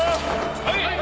はい。